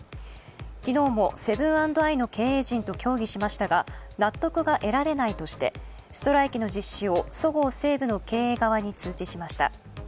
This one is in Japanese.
昨日もセブン＆アイの経営陣と協議しましたが納得が得られないとして、ストライキの実施をそごう・西武の経営側に通知しました。